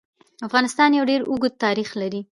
افغانستان يو ډير اوږد تاريخ لري.